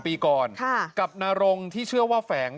แล้วพวกพี่น้องเล่าให้ฟัง